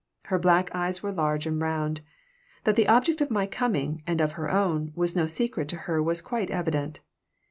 Her black eyes were large and round. That the object of my coming, and of her own, was no secret to her was quite evident.